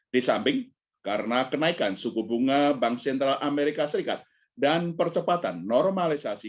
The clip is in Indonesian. di samping karena kenaikan suku bunga bank sentral amerika serikat dan percepatan normalisasi